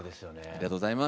ありがとうございます。